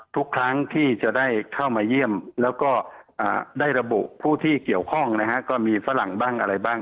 ทุกครั้งที่จะได้เข้ามาเยี่ยมแล้วก็ได้ระบุผู้ที่เกี่ยวข้องนะฮะก็มีฝรั่งบ้างอะไรบ้าง